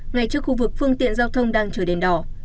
ngay trước khu vực phương tiện giao thông đang chờ đèn đỏ